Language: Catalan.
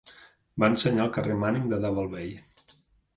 Va ensenyar al carrer Manning de Double Bay.